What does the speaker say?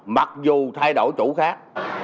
mặc dù thay đổi chủ khác